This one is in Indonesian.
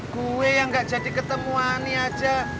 gue yang gak jadi ketemu ani aja